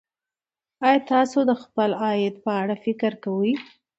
ایا تاسو د خپل عاید په اړه فکر کوئ.